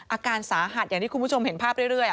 อาการสาหัสอย่างที่คุณผู้ชมเห็นภาพเรื่อย